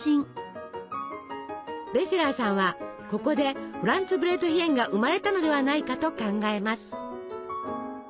ベセラーさんはここでフランツブレートヒェンが生まれたのではないかと考えます。